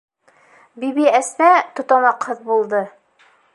Бибиәсмә тотанаҡһыҙ булды.